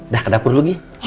dah ke dapur lagi